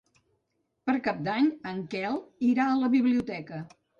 Per Cap d'Any en Quel irà a la biblioteca.